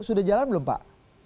sudah jalan belum pak